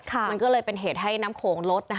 มันก็เลยเป็นเหตุให้น้ำโขงลดนะคะ